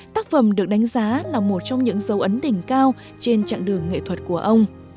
tác phẩm được đánh giá là một trong những dấu ấn đỉnh cao trên chặng đường nghệ thuật của ông